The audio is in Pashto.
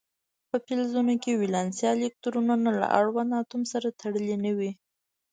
په فلزونو کې ولانسي الکترونونه له اړوند اتوم سره تړلي نه وي.